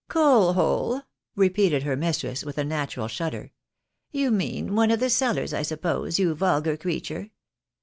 " Coal hole !" repeated her mistress with a natural shudder. " You mean one of the cellars, I suppose, you vulgar creature.